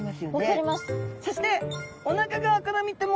そしておなか側から見ても。